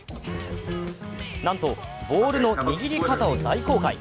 なんとボールの握り方を大公開。